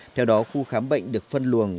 theo đó khu khám bệnh được phân luồng